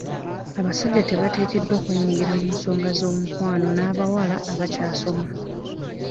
Abasajja tebateekeddwa kwenyigira mu nsonga z'omukwano n'abawala abakyasoma.